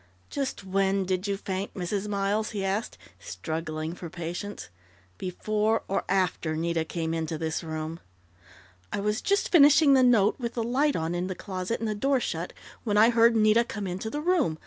"Just when did you faint, Mrs. Miles?" he asked, struggling for patience. "Before or after Nita came into this room?" "I was just finishing the note, with the light on in the closet, and the door shut, when I heard Nita come into the room.